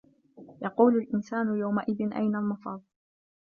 يَقولُ الإِنسانُ يَومَئِذٍ أَينَ المَفَرُّ